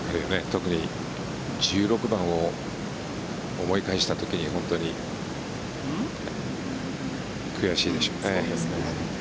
特に１６番を思い返した時に本当に悔しいでしょうね。